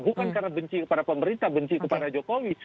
bukan karena benci kepada pemerintah benci kepada jokowi